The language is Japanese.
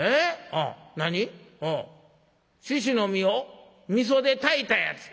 猪の身をみそで炊いたやつ。